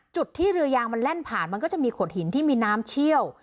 จุดที่เรือยางมันแล่นผ่านมันก็จะมีโขดหินที่มีน้ำเชี่ยว